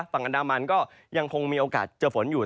ฝั่งอันดามันก็ยังคงมีโอกาสเจอฝนอยู่